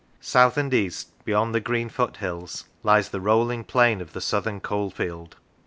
South and east, beyond the green foot hills, lies the rolling plain of the southern coal field.